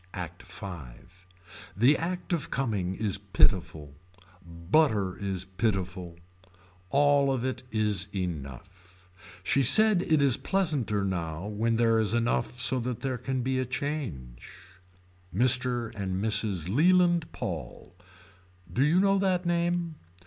ACT V. The act of coming is pitiful. Butter is pitiful. All of it is enough. She said it is pleasanter now when there is enough so that there can be a change. Mr. and Mrs. Leland Paul. Do you know that name.